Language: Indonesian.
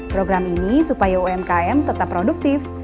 program ini supaya umkm tetap produktif